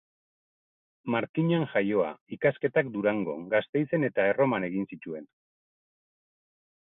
Markinan jaioa, ikasketak Durangon, Gasteizen eta Erroman egin zituen.